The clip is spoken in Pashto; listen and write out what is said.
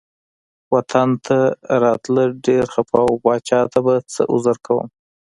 وطن ته راته ډیر خپه و پاچا ته به څه عذر کوم.